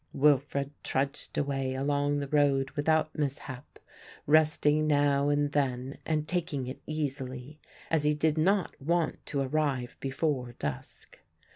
Wilfred trudged away along the road without mishap, resting now and then and taking it easily, as he did not want to arrive before dusk.